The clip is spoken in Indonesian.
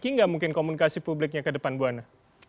jadi nggak mungkin komunikasi publiknya ke depan buwana